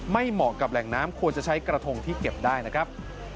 เหมาะกับแหล่งน้ำควรจะใช้กระทงที่เก็บได้นะครับ